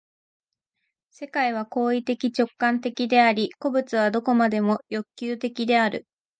世界は行為的直観的であり、個物は何処までも欲求的である。